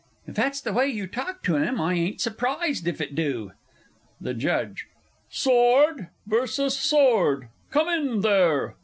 If that's the way you talk to him, I ain't surprised if it do. THE JUDGE. Sword versus Sword! Come in there!